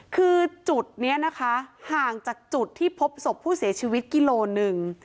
คือจุดนี้นะคะห่างจากจุดที่พบศพผู้เสียชีวิตกิโลหนึ่ง